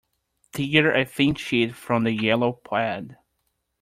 Tear a thin sheet from the yellow pad.